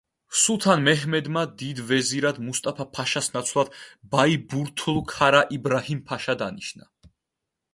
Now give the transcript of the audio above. სულთან მეჰმედმა, დიდ ვეზირად, მუსტაფა-ფაშას ნაცვლად, ბაიბურთლუ ქარა იბრაჰიმ-ფაშა დანიშნა.